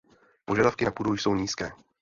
Požadavky na půdu jsou nízké.